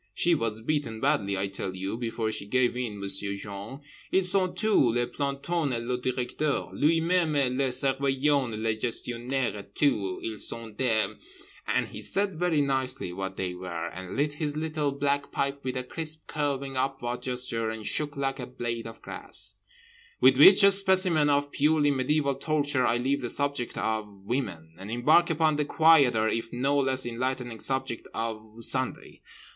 She was beaten badly, I tell you, before she gave in. _M'sieu' Jean, ils sont tous—les plantons et le Directeur Lui Même et le Surveillant et le Gestionnaire et tous—ils sont des—_" and he said very nicely what they were, and lit his little black pipe with a crisp curving upward gesture, and shook like a blade of grass. With which specimen of purely mediaeval torture I leave the subject of Women, and embark upon the quieter if no less enlightening subject of Sunday.